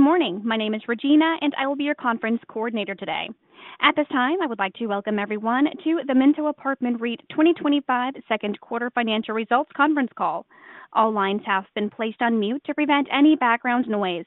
Good morning. My name is Regina, and I will be your conference coordinator today. At this time, I would like to welcome everyone to the Minto Apartment Real Estate Investment Trust 2025 Second Quarter Financial Results Conference Call. All lines have been placed on mute to prevent any background noise.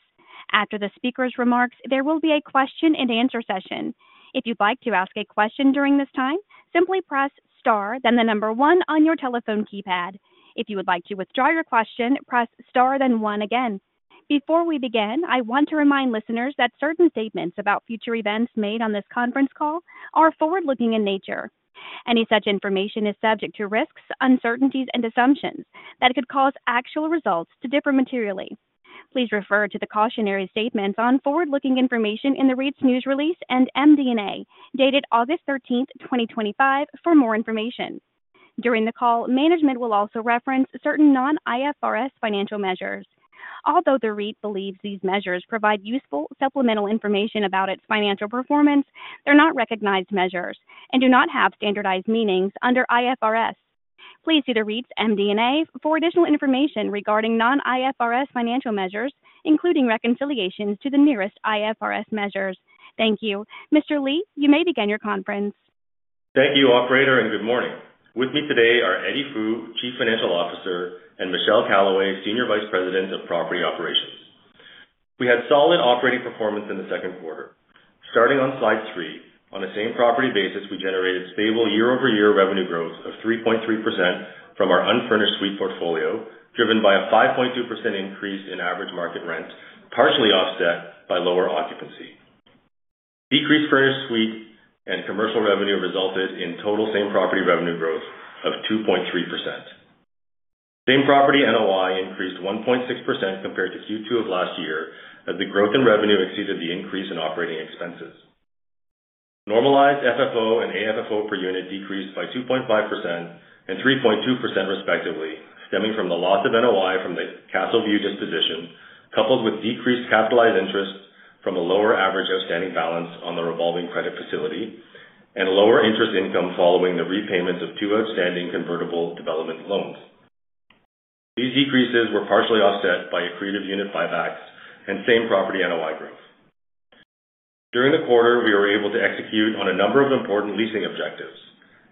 After the speaker's remarks, there will be a question and answer session. If you'd like to ask a question during this time, simply press star, then the number one on your telephone keypad. If you would like to withdraw your question, press star, then one again. Before we begin, I want to remind listeners that certain statements about future events made on this conference call are forward-looking in nature. Any such information is subject to risks, uncertainties, and assumptions that could cause actual results to differ materially. Please refer to the cautionary statements on forward-looking information in the REIT's news release and MD&A dated August 13, 2025, for more information. During the call, management will also reference certain non-IFRS financial measures. Although the REIT believes these measures provide useful supplemental information about its financial performance, they're not recognized measures and do not have standardized meanings under IFRS. Please see the REIT's MD&A for additional information regarding non-IFRS financial measures, including reconciliations to the nearest IFRS measures. Thank you. Mr. Li, you may begin your conference. Thank you, Operator, and good morning. With me today are Eddie Fu, Chief Financial Officer, and Michelle Callaway, Senior Vice President of Property Operations. We had solid operating performance in the second quarter. Starting on slide three, on the same property basis, we generated stable year-over-year revenue growth of 3.3% from our unfurnished suite portfolio, driven by a 5.2% increase in average market rent, partially offset by lower occupancy. Decreased furnished suite and commercial revenue resulted in total same property revenue growth of 2.3%. Same property NOI increased 1.6% compared to Q2 of last year, as the growth in revenue exceeded the increase in operating expenses. Normalized FFO and AFFO per unit decreased by 2.5% and 3.2% respectively, stemming from the loss of NOI from the Castle View disposition, coupled with decreased capitalized interest from a lower average outstanding balance on the revolving credit facility and a lower interest income following the repayments of two outstanding convertible development loans. These decreases were partially offset by accretive unit buybacks and same property NOI growth. During the quarter, we were able to execute on a number of important leasing objectives.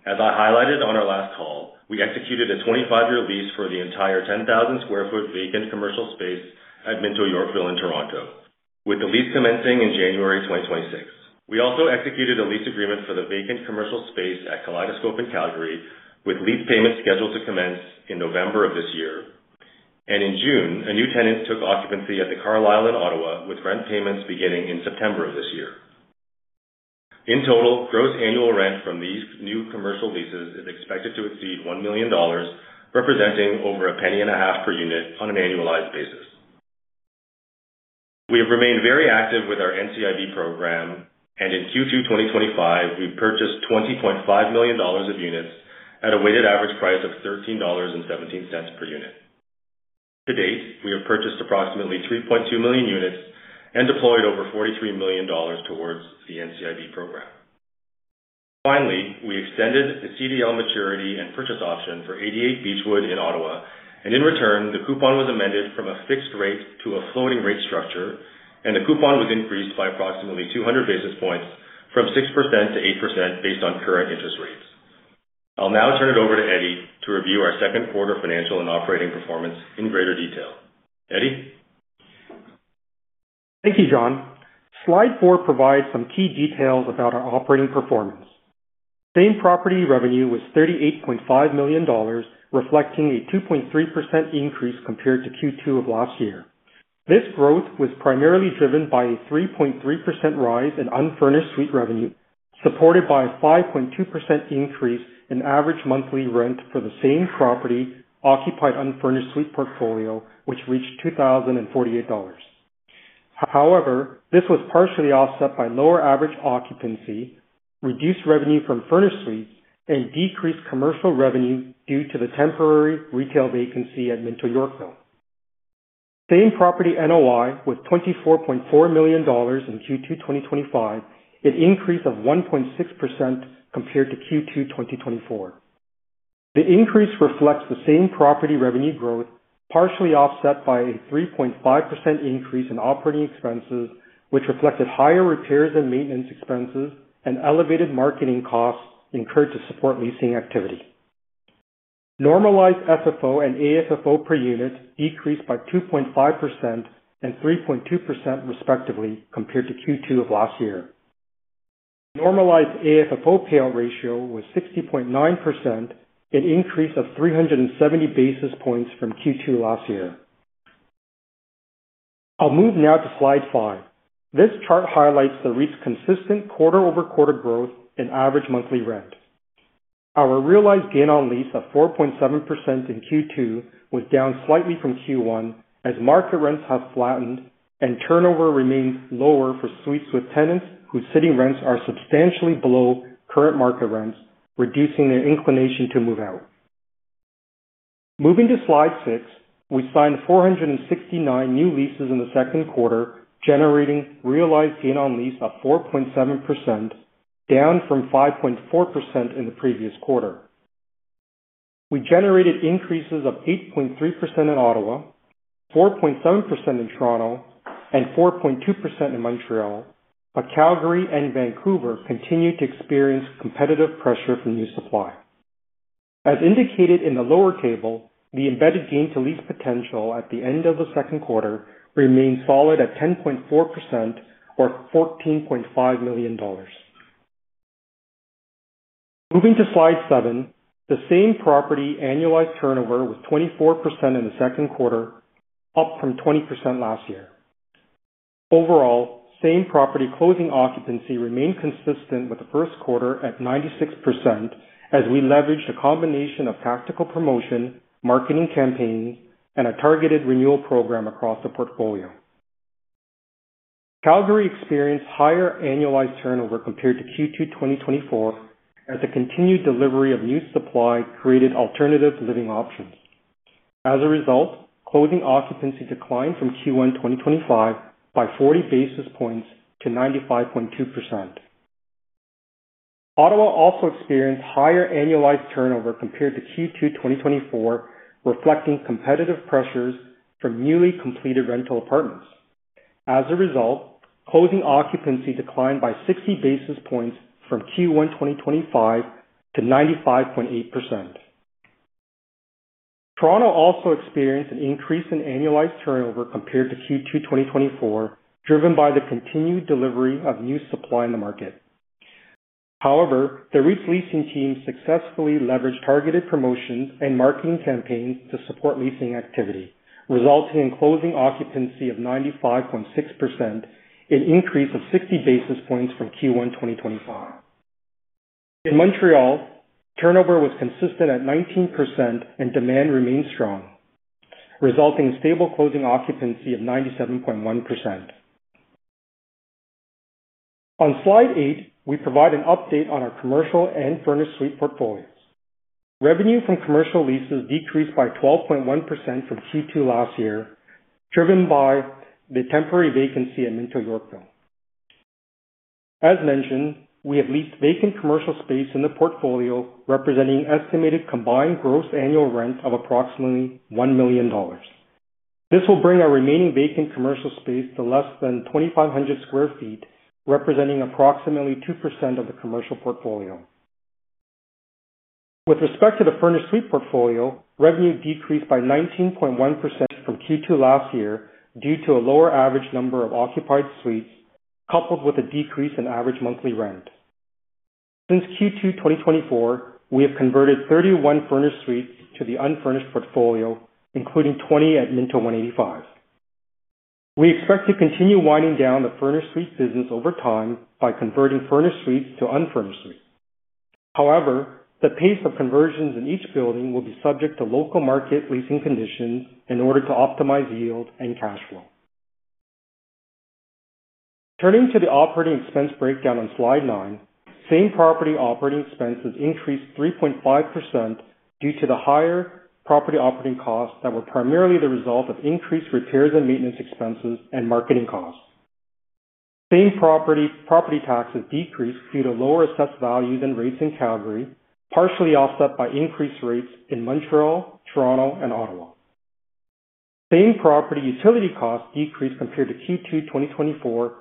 As I highlighted on our last call, we executed a 25-year lease for the entire 10,000 sq ft vacant commercial space at Minto Yorkville in Toronto, with the lease commencing in January 2026. We also executed a lease agreement for the vacant commercial space at Kaleidoscope in Calgary, with lease payments scheduled to commence in November of this year. In June, a new tenant took occupancy at the Carlyle in Ottawa, with rent payments beginning in September of this year. In total, gross annual rent from these new commercial leases is expected to exceed $1 million, representing over $0.015 per unit on an annualized basis. We have remained very active with our NCIB program, and in Q2 2025, we purchased $20.5 million of units at a weighted average price of $13.17 per unit. To date, we have purchased approximately 3.2 million units and deployed over $43 million towards the NCIB program. Finally, we extended the CDL maturity and purchase option for 88 Beechwood in Ottawa, and in return, the coupon was amended from a fixed rate to a floating rate structure, and the coupon was increased by approximately 200 basis points from 6%-8% based on current interest rates. I'll now turn it over to Eddie to review our second quarter financial and operating performance in greater detail. Eddie? Thank you, John. Slide four provides some key details about our operating performance. Same property revenue was $38.5 million, reflecting a 2.3% increase compared to Q2 of last year. This growth was primarily driven by a 3.3% rise in unfurnished suite revenue, supported by a 5.2% increase in average monthly rent for the same property occupied unfurnished suite portfolio, which reached $2,048. However, this was partially offset by lower average occupancy, reduced revenue from furnished suites, and decreased commercial revenue due to the temporary retail vacancy at Minto Yorkville. Same property NOI was $24.4 million in Q2 2025, an increase of 1.6% compared to Q2 2024. The increase reflects the same property revenue growth, partially offset by a 3.5% increase in operating expenses, which reflected higher repairs and maintenance expenses and elevated marketing costs incurred to support leasing activity. Normalized FFO and AFFO per unit decreased by 2.5% and 3.2% respectively compared to Q2 of last year. Normalized AFFO payout ratio was 60.9%, an increase of 370 basis points from Q2 last year. I'll move now to slide five. This chart highlights the REIT's consistent quarter-over-quarter growth in average monthly rent. Our realized gain on lease of 4.7% in Q2 was down slightly from Q1, as market rents have flattened and turnover remains lower for suites with tenants whose sitting rents are substantially below current market rents, reducing their inclination to move out. Moving to slide six, we signed 469 new leases in the second quarter, generating realized gain on lease of 4.7%, down from 5.4% in the previous quarter. We generated increases of 8.3% in Ottawa, 4.7% in Toronto, and 4.2% in Montreal, but Calgary and Vancouver continued to experience competitive pressure from use to fly. As indicated in the lower table, the embedded gain to lease potential at the end of the second quarter remains solid at 10.4% or $14.5 million. Moving to slide seven, the same property annualized turnover was 24% in the second quarter, up from 20% last year. Overall, same property closing occupancy remained consistent with the first quarter at 96%, as we leveraged a combination of tactical promotion, marketing campaigns, and a targeted renewal program across the portfolio. Calgary experienced higher annualized turnover compared to Q2 2024, as the continued delivery of new supply created alternative living options. As a result, closing occupancy declined from Q1 2025 by 40 basis points to 95.2%. Ottawa also experienced higher annualized turnover compared to Q2 2024, reflecting competitive pressures from newly completed rental apartments. As a result, closing occupancy declined by 60 basis points from Q1 2025 to 95.8%. Toronto also experienced an increase in annualized turnover compared to Q2 2024, driven by the continued delivery of new supply in the market. However, the REIT's leasing team successfully leveraged targeted promotions and marketing campaigns to support leasing activity, resulting in closing occupancy of 95.6%, an increase of 60 basis points from Q1 2025. In Montreal, turnover was consistent at 19% and demand remained strong, resulting in stable closing occupancy of 97.1%. On slide eight, we provide an update on our commercial and furnished suite portfolios. Revenue from commercial leases decreased by 12.1% from Q2 last year, driven by the temporary vacancy at Minto Yorkville. As mentioned, we have vacant commercial space in the portfolio, representing estimated combined gross annual rent of approximately $1 million. This will bring our remaining vacant commercial space to less than 2,500 sq ft, representing approximately 2% of the commercial portfolio. With respect to the furnished suite portfolio, revenue decreased by 19.1% from Q2 last year due to a lower average number of occupied suites, coupled with a decrease in average monthly rent. Since Q2 2024, we have converted 31 furnished suites to the unfurnished portfolio, including 20 at Minto One80five. We expect to continue winding down the furnished suite business over time by converting furnished suites to unfurnished suites. However, the pace of conversions in each building will be subject to local market leasing conditions in order to optimize yield and cash flow. Turning to the operating expense breakdown on slide nine, same property operating expenses increased 3.5% due to the higher property operating costs that were primarily the result of increased repairs and maintenance expenses and marketing costs. Same property property taxes decreased due to lower assessed values and rates in Calgary, partially offset by increased rates in Montreal, Toronto, and Ottawa. Same property utility costs decreased compared to Q2 2024,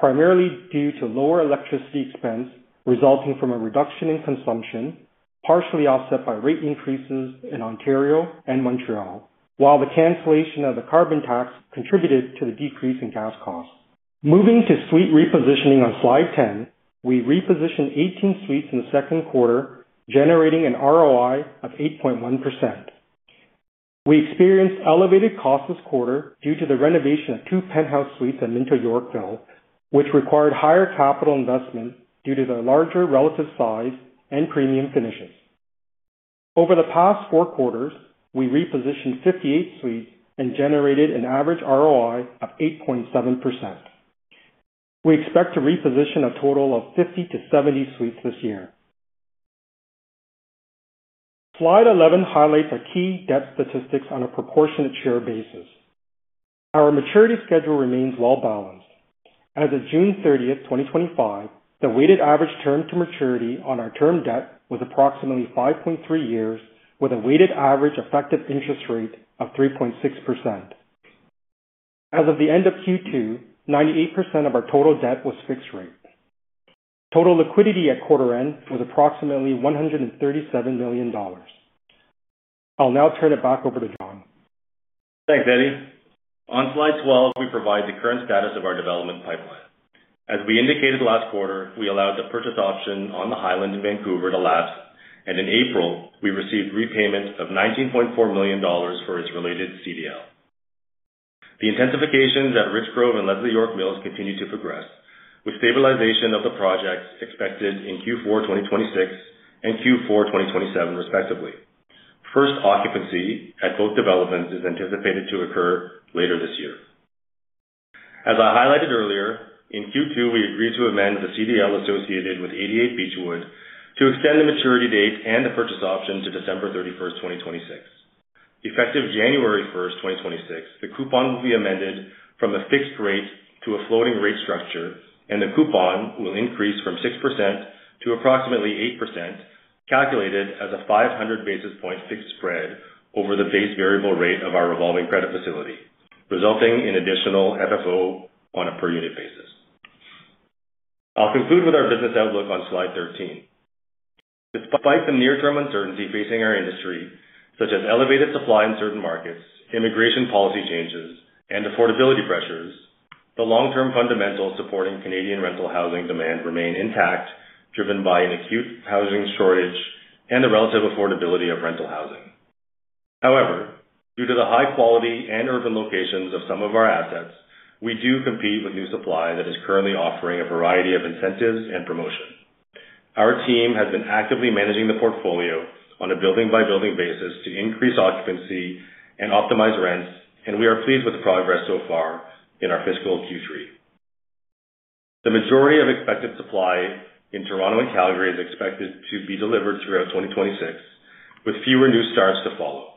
primarily due to lower electricity expense resulting from a reduction in consumption, partially offset by rate increases in Ontario and Montreal, while the cancellation of the carbon tax contributed to the decrease in gas costs. Moving to suite repositioning on slide 10, we repositioned 18 suites in the second quarter, generating an ROI of 8.1%. We experienced elevated costs this quarter due to the renovation of two penthouse suites at Minto Yorkville, which required higher capital investment due to the larger relative size and premium finishes. Over the past four quarters, we repositioned 58 suites and generated an average ROI of 8.7%. We expect to reposition a total of 50 to 70 suites this year. Slide 11 highlights our key debt statistics on a proportionate share basis. Our maturity schedule remains well balanced. As of June 30, 2025, the weighted average term to maturity on our term debt was approximately 5.3 years, with a weighted average effective interest rate of 3.6%. As of the end of Q2, 98% of our total debt was fixed rate. Total liquidity at quarter end was approximately $137 million. I'll now turn it back over to John. Thanks, Eddie. On slide 12, we provide the current status of our development pipeline. As we indicated last quarter, we allowed the purchase option on the Highland in Vancouver to lapse, and in April, we received repayments of $19.4 million for its related CDL. The intensifications at Richgrove and Leslie York Mills continue to progress, with stabilization of the projects expected in Q4 2026 and Q4 2027, respectively. First occupancy at both developments is anticipated to occur later this year. As I highlighted earlier, in Q2, we agreed to amend the CDL associated with 88 Beechwood to extend the maturity date and the purchase option to December 31, 2026. Effective January 1, 2026, the coupon will be amended from a fixed rate to a floating rate structure, and the coupon will increase from 6% to approximately 8%, calculated as a 500 basis point fixed spread over the base variable rate of our revolving credit facility, resulting in additional FFO on a per unit basis. I'll conclude with our business outlook on slide 13. Despite the near-term uncertainty facing our industry, such as elevated supply in certain markets, immigration policy changes, and affordability pressures, the long-term fundamentals supporting Canadian rental housing demand remain intact, driven by an acute housing shortage and the relative affordability of rental housing. However, due to the high quality and urban locations of some of our assets, we do compete with new supply that is currently offering a variety of incentives and promotions. Our team has been actively managing the portfolio on a building-by-building basis to increase occupancy and optimize rents, and we are pleased with the progress so far in our fiscal Q3. The majority of expected supply in Toronto and Calgary is expected to be delivered throughout 2026, with fewer new starts to follow.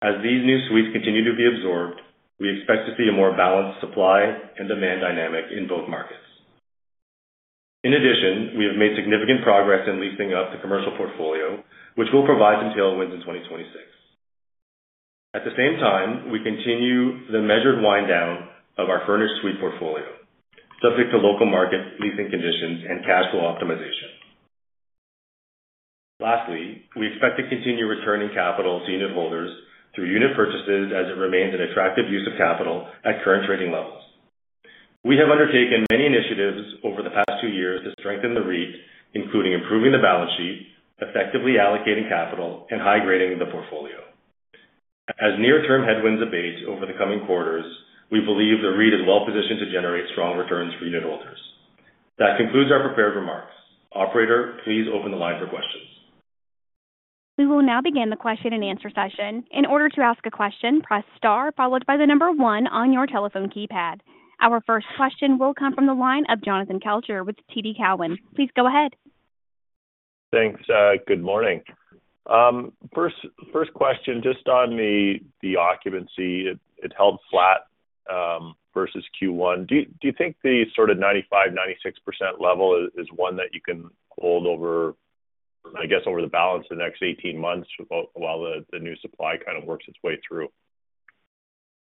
As these new suites continue to be absorbed, we expect to see a more balanced supply and demand dynamic in both markets. In addition, we have made significant progress in leasing up the commercial portfolio, which will provide some tailwinds in 2026. At the same time, we continue the measured wind-down of our furnished suite portfolio, subject to local market leasing conditions and cash flow optimization. Lastly, we expect to continue returning capital to unit holders through unit purchases as it remains an attractive use of capital at current trading levels. We have undertaken many initiatives over the past two years to strengthen the REIT, including improving the balance sheet, effectively allocating capital, and high grading the portfolio. As near-term headwinds abate over the coming quarters, we believe the REIT is well positioned to generate strong returns for unit holders. That concludes our prepared remarks. Operator, please open the line for questions. We will now begin the question and answer session. In order to ask a question, press star followed by the number one on your telephone keypad. Our first question will come from the line of Jonathan Kelcher with TD Cowen. Please go ahead. Thanks. Good morning. First question, just on the occupancy, it held flat versus Q1. Do you think the sort of 95% to 96% level is one that you can hold over, I guess, over the balance of the next 18 months while the new supply kind of works its way through?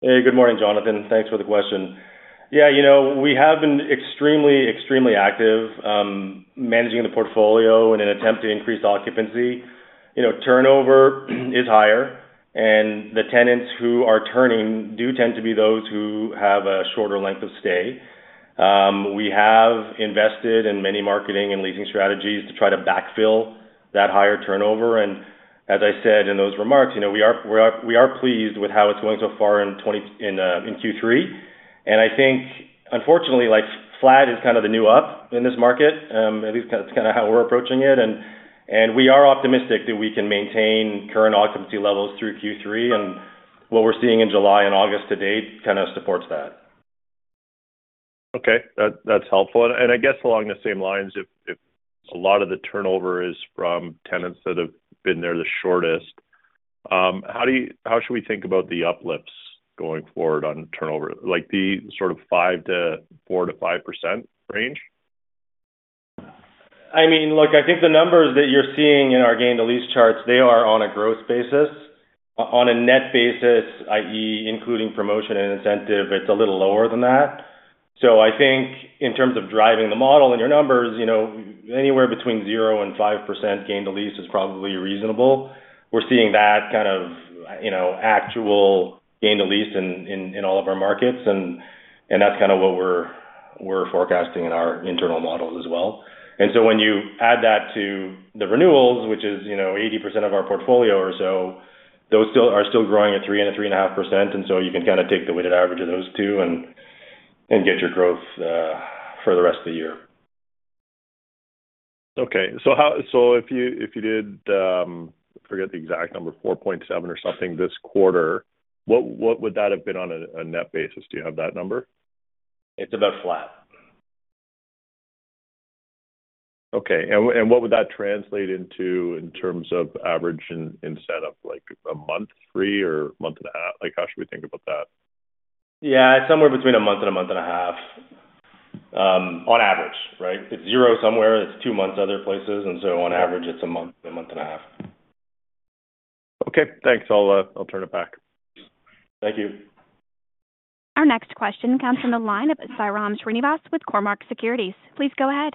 Hey, good morning, Jonathan. Thanks for the question. We have been extremely, extremely active managing the portfolio in an attempt to increase the occupancy. Turnover is higher, and the tenants who are turning do tend to be those who have a shorter length of stay. We have invested in many marketing and leasing strategies to try to backfill that higher turnover. As I said in those remarks, we are pleased with how it's going so far in Q3. I think, unfortunately, flat is kind of the new up in this market. At least that's kind of how we're approaching it. We are optimistic that we can maintain current occupancy levels through Q3. What we're seeing in July and August to date kind of supports that. Okay, that's helpful. If a lot of the turnover is from tenants that have been there the shortest, how do you, how should we think about the uplifts going forward on turnover, like the sort of 4%-5% range? I mean, look, I think the numbers that you're seeing in our gain to lease charts are on a gross basis. On a net basis, i.e., including promotion and incentive, it's a little lower than that. I think in terms of driving the model and your numbers, anywhere between 0% and 5% gain to lease is probably reasonable. We're seeing that kind of actual gain to lease in all of our markets. That's kind of what we're forecasting in our internal models as well. When you add that to the renewals, which is 80% of our portfolio or so, those are still growing at 3% and 3.5%. You can kind of take the weighted average of those two and get your growth for the rest of the year. Okay, if you did, I forget the exact number, $4.7 million or something this quarter, what would that have been on a net basis? Do you have that number? It's about flat. Okay, what would that translate into in terms of average in setup, like a month, three, or a month and a half? How should we think about that? Yeah, it's somewhere between a month and a month and a half on average, right? It's zero somewhere, it's two months other places. On average, it's a month, a month and a half. Okay, thanks. I'll turn it back. Thank you. Our next question comes from the line of Sairam Srinivas with Cormac Securities. Please go ahead.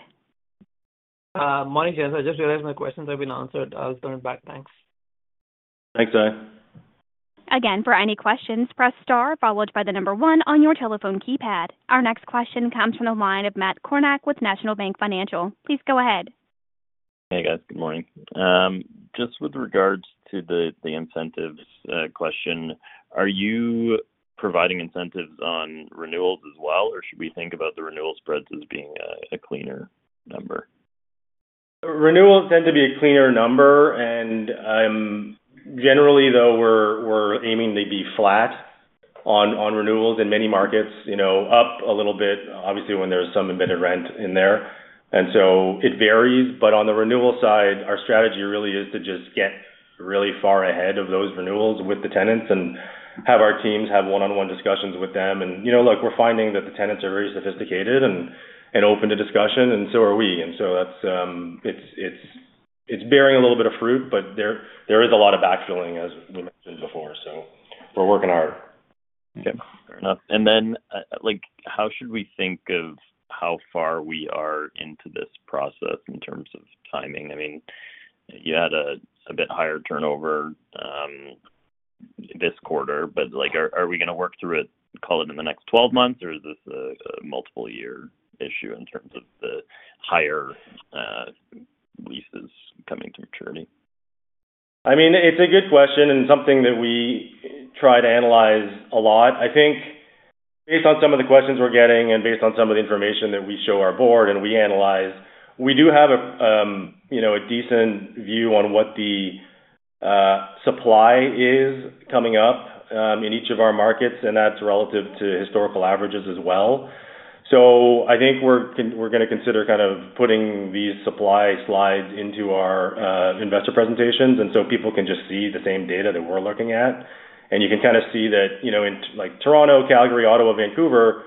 Morning, gents. I just realized my questions have been answered. I'll turn it back. Thanks. Thanks, Sai. Again, for any questions, press star, followed by the number one on your telephone keypad. Our next question comes from the line of Matt Kornack with National Bank Financial. Please go ahead. Hey guys, good morning. Just with regards to the incentives question, are you providing incentives on renewals as well, or should we think about the renewal spreads as being a cleaner number? Renewals tend to be a cleaner number, and generally, though, we're aiming to be flat on renewals in many markets, you know, up a little bit, obviously, when there's some embedded rent in there. It varies, but on the renewal side, our strategy really is to just get really far ahead of those renewals with the tenants and have our teams have one-on-one discussions with them. You know, look, we're finding that the tenants are very sophisticated and open to discussion, and so are we. It's bearing a little bit of fruit, but there is a lot of backfilling, as we mentioned before. We're working hard. Fair enough. How should we think of how far we are into this process in terms of timing? I mean, you had a bit higher turnover this quarter, but are we going to work through it, call it in the next 12 months, or is this a multiple-year issue in terms of the higher leases coming to maturity? I mean, it's a good question and something that we try to analyze a lot. I think based on some of the questions we're getting and based on some of the information that we show our board and we analyze, we do have a decent view on what the supply is coming up in each of our markets, and that's relative to historical averages as well. I think we're going to consider kind of putting these supply slides into our investor presentations, so people can just see the same data that we're looking at. You can kind of see that, you know, in like Toronto, Calgary, Ottawa, Vancouver,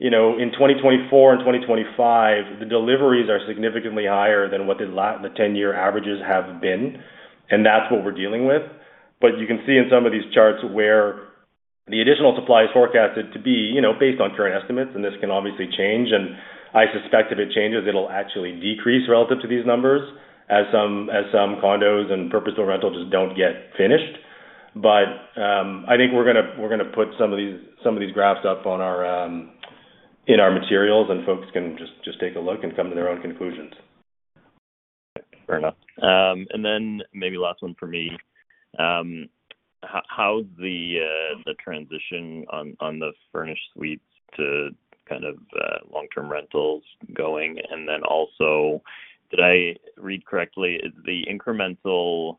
in 2024 and 2025, the deliveries are significantly higher than what the 10-year averages have been. That's what we're dealing with. You can see in some of these charts where the additional supply is forecasted to be, based on current estimates, and this can obviously change. I suspect if it changes, it'll actually decrease relative to these numbers as some condos and purpose-built rentals just don't get finished. I think we're going to put some of these graphs up in our materials and folks can just take a look and come to their own conclusions. Fair enough. Maybe last one for me. How's the transition on the furnished suite portfolio to kind of long-term rentals going? Also, did I read correctly? The incremental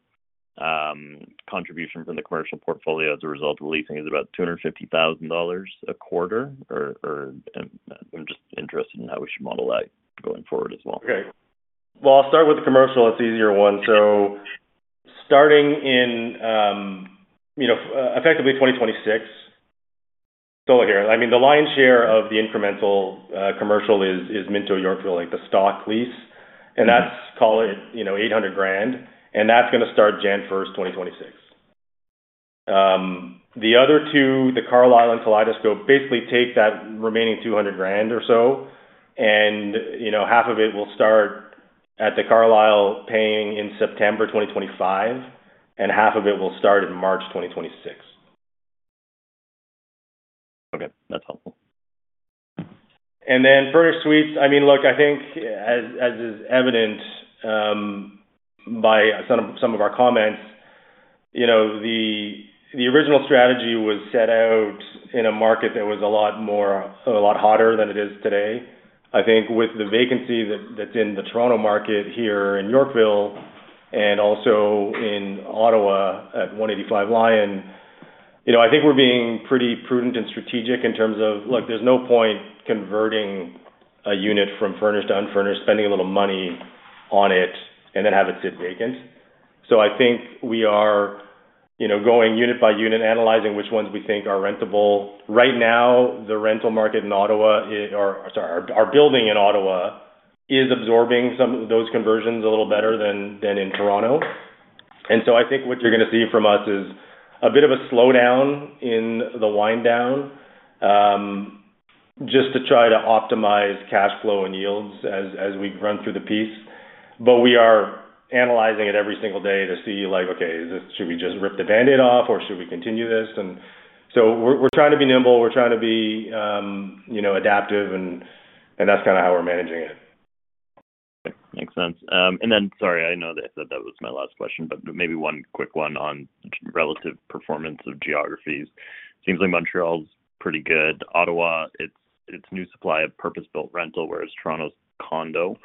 contribution from the commercial portfolio as a result of leasing is about $250,000 a quarter, or I'm just interested in how we should model that going forward as well. Okay. I'll start with the commercial. That's the easier one. Starting in, you know, effectively 2026, going here, I mean, the lion's share of the incremental commercial is Minto Yorkville, like the stock lease. That's, call it, $800,000, and that's going to start January 1, 2026. The other two, the Carlyle and Kaleidoscope, basically take that remaining $200,000 or so. Half of it will start at the Carlyle paying in September 2025, and half of it will start in March 2026. Okay, that's helpful. Furnished suites, I mean, look, I think as is evident by some of our comments, the original strategy was set out in a market that was a lot hotter than it is today. I think with the vacancy that's in the Toronto market here in Yorkville and also in Ottawa at One80five Lyon, I think we're being pretty prudent and strategic in terms of, look, there's no point converting a unit from furnished to unfurnished, spending a little money on it, and then have it sit vacant. I think we are going unit by unit, analyzing which ones we think are rentable. Right now, the rental market in Ottawa, or sorry, our building in Ottawa, is absorbing some of those conversions a little better than in Toronto. I think what you're going to see from us is a bit of a slowdown in the wind-down just to try to optimize cash flow and yields as we run through the piece. We are analyzing it every single day to see like, okay, should we just rip the Band-Aid off or should we continue this? We are trying to be nimble. We're trying to be adaptive. That's kind of how we're managing it. Makes sense. Sorry, I know that was my last question, but maybe one quick one on relative performance of geographies. Seems like Montreal's pretty good. Ottawa, it's new supply of purpose-built rental, whereas Toronto's condo.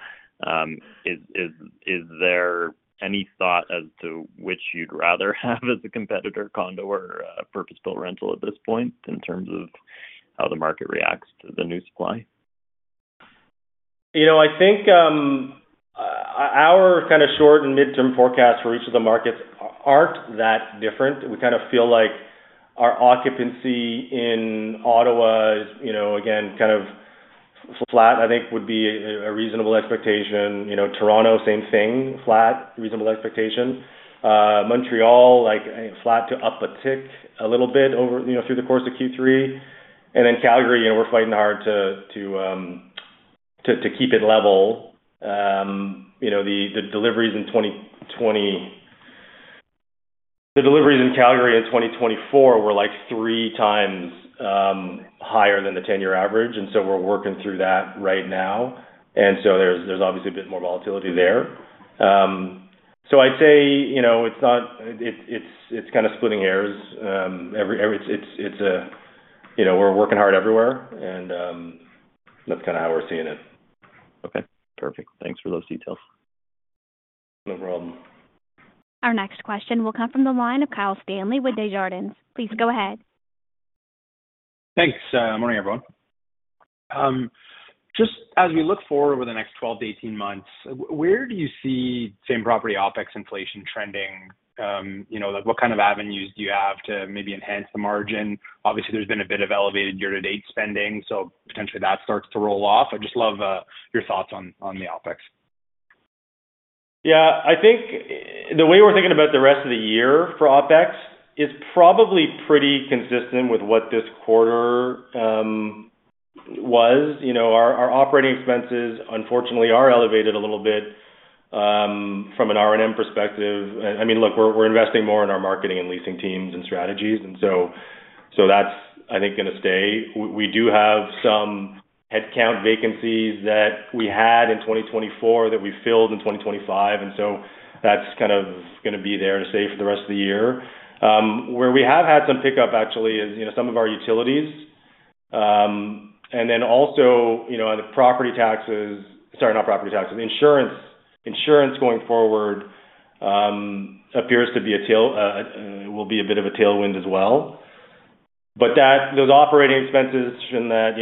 Is there any thought as to which you'd rather have as a competitor, condo or purpose-built rental at this point in terms of how the market reacts to the new supply? I think our kind of short and mid-term forecasts for each of the markets aren't that different. We kind of feel like our occupancy in Ottawa is, again, kind of flat. I think that would be a reasonable expectation. Toronto, same thing, flat, reasonable expectation. Montreal, like flat to up a tick a little bit over, through the course of Q3. Calgary, we're fighting hard to keep it level. The deliveries in 2020, the deliveries in Calgary in 2024 were like 3x higher than the 10-year average. We're working through that right now. There's obviously a bit more volatility there. I'd say it's not, it's kind of splitting hairs. We're working hard everywhere, and that's kind of how we're seeing it. Okay, perfect. Thanks for those details. No problem. Our next question will come from the line of Kyle Stanley with Desjardins. Please go ahead. Thanks. Morning, everyone. Just as we look forward over the next 12, 18 months, where do you see same property OpEx inflation trending? You know, like what kind of avenues do you have to maybe enhance the margin? Obviously, there's been a bit of elevated year-to-date spending, so potentially that starts to roll off. I'd just love your thoughts on the OpEx. Yeah, I think the way we're thinking about the rest of the year for OpEx is probably pretty consistent with what this quarter was. Our operating expenses unfortunately are elevated a little bit from an R&M perspective. I mean, look, we're investing more in our marketing and leasing teams and strategies, and that's, I think, going to stay. We do have some headcount vacancies that we had in 2024 that we filled in 2025, and that's kind of going to be there to stay for the rest of the year. Where we have had some pickup, actually, is some of our utilities. Also, on the insurance going forward, it appears to be a bit of a tailwind as well. Those operating expenses in that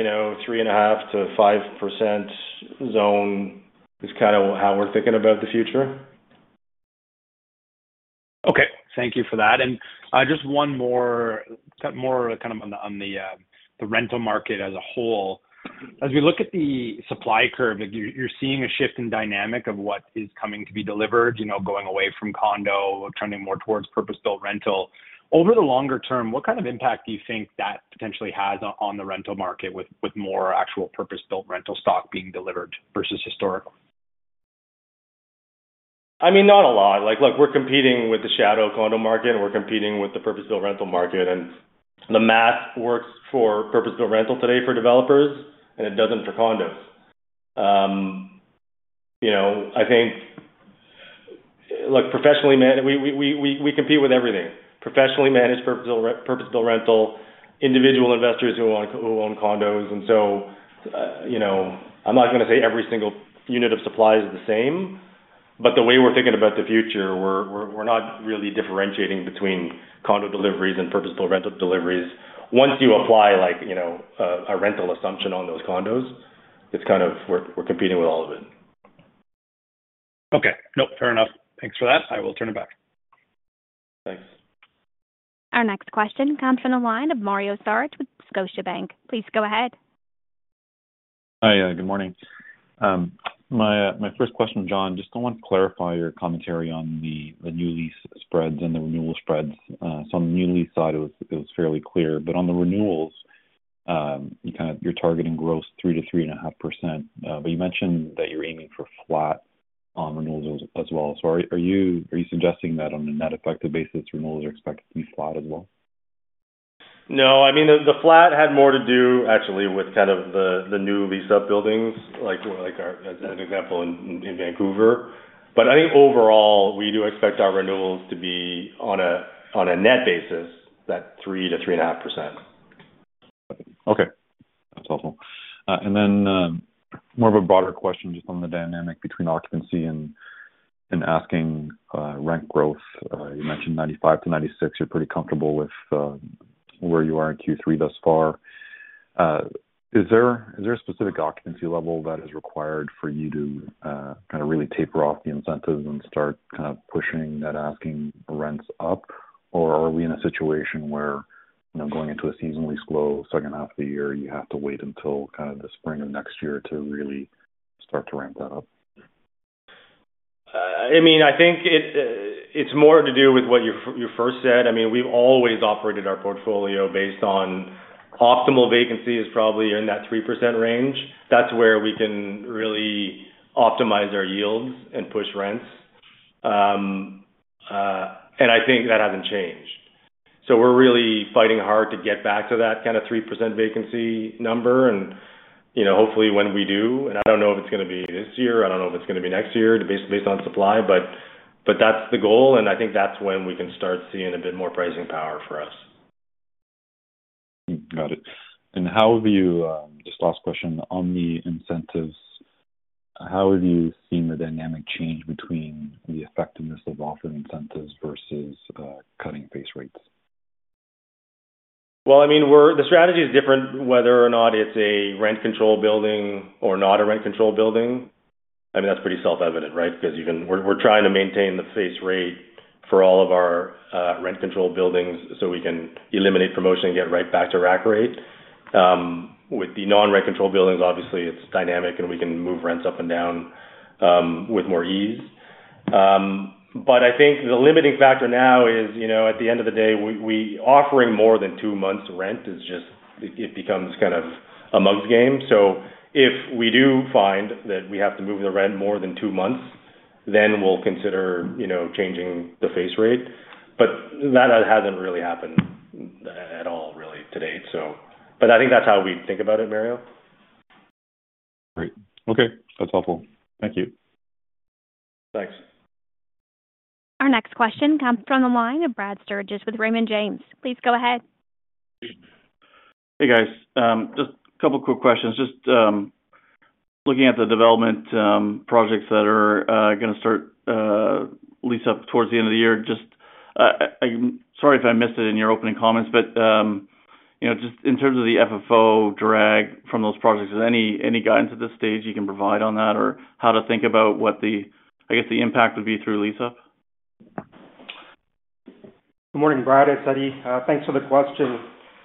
3.5%-5% zone is kind of how we're thinking about the future. Okay, thank you for that. Just one more, more kind of on the rental market as a whole. As we look at the supply curve, you're seeing a shift in dynamic of what is coming to be delivered, you know, going away from condo, turning more towards purpose-built rental. Over the longer term, what kind of impact do you think that potentially has on the rental market with more actual purpose-built rental stock being delivered versus historically? I mean, not a lot. Look, we're competing with the shadow condo market and we're competing with the purpose-built rental market. The math works for purpose-built rental today for developers and it doesn't for condos. I think, professionally, we compete with everything: professionally managed purpose-built rental, individual investors who own condos. I'm not going to say every single unit of supply is the same, but the way we're thinking about the future, we're not really differentiating between condo deliveries and purpose-built rental deliveries. Once you apply a rental assumption on those condos, it's kind of, we're competing with all of it. Okay, fair enough. Thanks for that. I will turn it back. Thanks. Our next question comes from the line of Mario Saric with Scotiabank. Please go ahead. Hi, good morning. My first question, Jonathan, just I want to clarify your commentary on the new lease spreads and the renewal spreads. On the new lease side, it was fairly clear, but on the renewals, you're targeting gross 3%-3.5%, but you mentioned that you're aiming for flat on renewals as well. Are you suggesting that on a net effective basis, renewals are expected to be flat as well? No, I mean, the flat had more to do actually with kind of the new lease-up buildings, like an example in Vancouver. I think overall, we do expect our renewals to be on a net basis that 3%-3.5%. Okay, that's helpful. More of a broader question just on the dynamic between occupancy and asking rent growth. You mentioned 95%-96%. You're pretty comfortable with where you are in Q3 thus far. Is there a specific occupancy level that is required for you to really taper off the incentives and start pushing that asking rents up? Are we in a situation where, going into a seasonally slow second half of the year, you have to wait until the spring of next year to really start to ramp that up? I mean, I think it's more to do with what you first said. We've always operated our portfolio based on optimal vacancy is probably in that 3% range. That's where we can really optimize our yields and push rents. I think that hasn't changed. We're really fighting hard to get back to that kind of 3% vacancy number. Hopefully when we do, and I don't know if it's going to be this year, I don't know if it's going to be next year based on supply, but that's the goal. I think that's when we can start seeing a bit more pricing power for us. Got it. How have you, this last question on the incentives, how have you seen the dynamic change between the effectiveness of offering incentives versus cutting base rates? The strategy is different whether or not it's a rent-controlled building or not a rent-controlled building. That's pretty self-evident, right? Because we're trying to maintain the face rate for all of our rent-controlled buildings so we can eliminate promotion and get right back to rack rate. With the non-rent-controlled buildings, obviously it's dynamic and we can move rents up and down with more ease. I think the limiting factor now is, you know, at the end of the day, we're offering more than two months to rent. It becomes kind of a mug game. If we do find that we have to move the rent more than two months, then we'll consider, you know, changing the face rate. That hasn't really happened at all to date. I think that's how we think about it, Mario. Great. Okay, that's helpful. Thank you. Thanks. Our next question comes from the line of Brad Sturges with Raymond James. Please go ahead. Hey guys, just a couple of quick questions. Just looking at the development projects that are going to start lease up towards the end of the year, I'm sorry if I missed it in your opening comments, but just in terms of the FFO drag from those projects, is there any guidance at this stage you can provide on that or how to think about what the, I guess, the impact would be through lease up? Good morning, Brad. It's Eddie. Thanks for the question.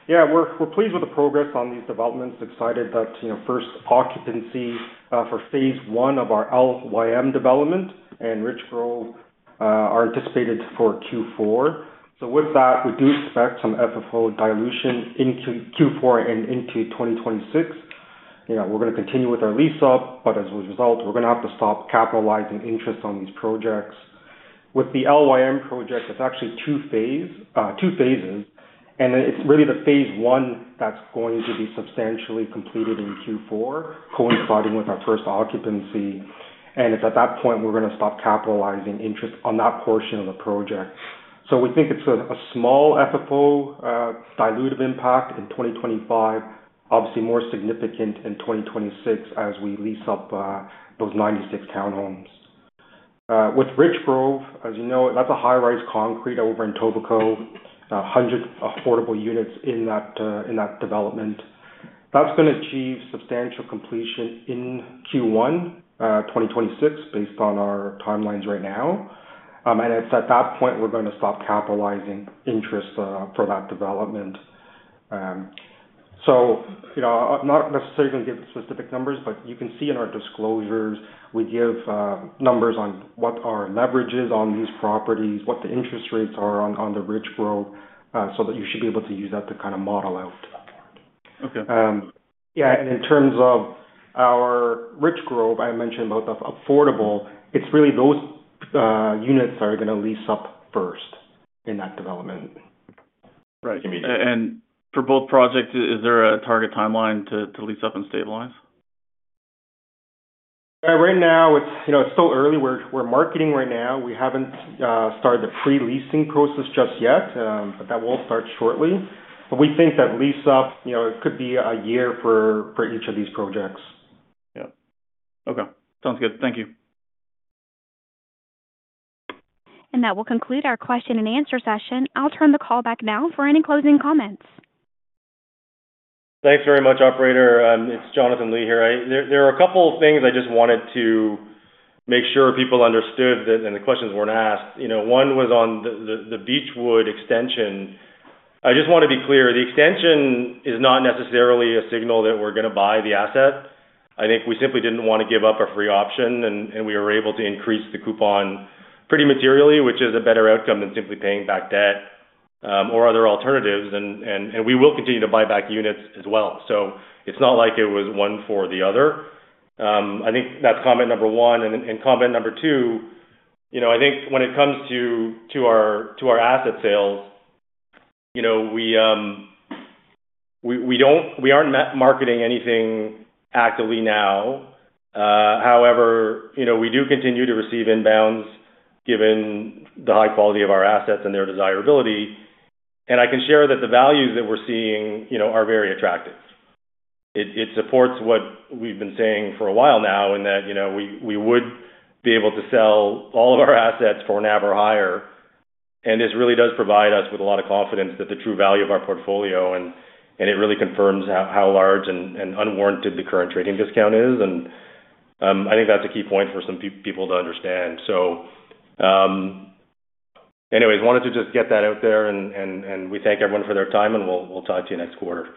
Yeah, we're pleased with the progress on these developments. Excited that, you know, first occupancy for Phase one of our LYM development and Richgrove are anticipated for Q4. With that, we do expect some FFO dilution in Q4 and into 2026. We're going to continue with our lease up, but as a result, we're going to have to stop capitalizing interest on these projects. With the LYM project, it's actually two phases, and it's really the Phase one that's going to be substantially completed in Q4, coinciding with our first occupancy. At that point, we're going to stop capitalizing interest on that portion of the project. We think it's a small FFO dilutive impact in 2025, obviously more significant in 2026 as we lease up those 96 townhomes. With Richgrove, as you know, that's a high-rise concrete over in Etobicoke, 100 affordable units in that development. That's going to achieve substantial completion in Q1 2026 based on our timelines right now. It's at that point we're going to stop capitalizing interest for that development. I'm not necessarily going to give specific numbers, but you can see in our disclosures, we give numbers on what our leverage is on these properties, what the interest rates are on the Richgrove, so that you should be able to use that to kind of model out. Okay. Yeah, in terms of our Richgrove, I mentioned both affordable, it's really those units that are going to lease up first in that development. Right. For both projects, is there a target timeline to lease up and stabilize? Right now, it's still early. We're marketing right now. We haven't started the pre-leasing process just yet, that will start shortly. We think that lease up, it could be a year for each of these projects. Yeah. Okay. Sounds good. Thank you. That will conclude our question-and-answer session. I'll turn the call back now for any closing comments. Thanks very much, Operator. It's Jonathan Li here. There are a couple of things I just wanted to make sure people understood that the questions weren't asked. One was on the Beechwood extension. I just want to be clear, the extension is not necessarily a signal that we're going to buy the asset. I think we simply didn't want to give up a free option, and we were able to increase the coupon pretty materially, which is a better outcome than simply paying back debt or other alternatives. We will continue to buy back units as well. It's not like it was one for the other. I think that's comment number one. Comment number two, I think when it comes to our asset sale, we aren't marketing anything actively now. However, we do continue to receive inbounds given the high quality of our assets and their desirability. I can share that the values that we're seeing are very attractive. It supports what we've been saying for a while now in that we would be able to sell all of our assets for an average higher. This really does provide us with a lot of confidence that the true value of our portfolio, and it really confirms how large and unwarranted the current trading discount is. I think that's a key point for some people to understand. I wanted to just get that out there, and we thank everyone for their time, and we'll talk to you next quarter.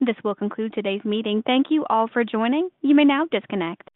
This will conclude today's meeting. Thank you all for joining. You may now disconnect.